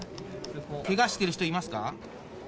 けがしてる人いますか？